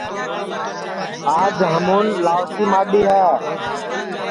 آج ہمُون لاؤسی ماڈؔی ہے